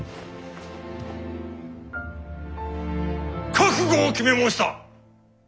覚悟を決め申した！